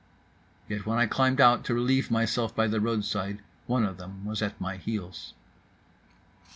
— Yet when I climbed out to relieve myself by the roadside one of them was at my heels.